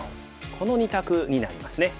この２択になりますね。